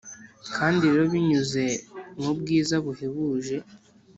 kandi rero binyuze mubwiza buhebuje